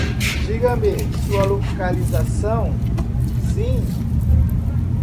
Diga-me sua localização, sim?